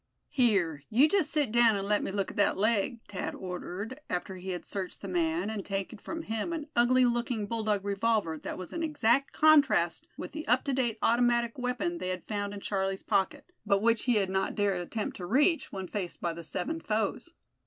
"Here, you just sit down and let me look at that leg," Thad ordered, after he had searched the man, and taken from him an ugly looking bulldog revolver that was an exact contrast with the up to date automatic weapon they had found in Charlie's pocket, but which he had not dared attempt to reach when faced by the seven foes.